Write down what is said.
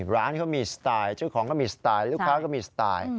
ร้านเขามีสไตล์เจ้าของก็มีสไตล์ลูกค้าก็มีสไตล์